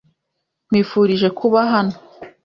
Nkwifurije kuba hano.